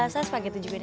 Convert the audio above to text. saya spaghetti juga deh